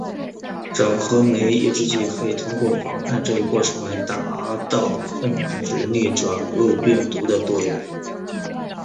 整合酶抑制剂可以通过妨害这一过程来达到控制逆转录病毒的作用。